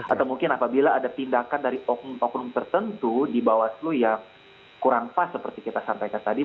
atau mungkin apabila ada tindakan dari hukum tertentu di bawah seluruh yang kurang pas seperti kita sampaikan tadi